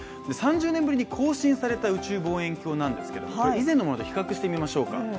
３０年ぶりに更新された宇宙望遠鏡なんですけれども以前のものと比較してみましょうか。